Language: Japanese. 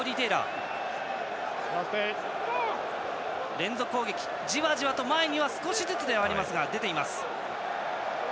連続攻撃でじわじわと前に少しずつではありますが出ています。